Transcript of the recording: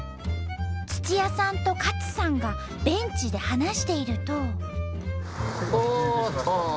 土谷さんと勝さんがベンチで話していると。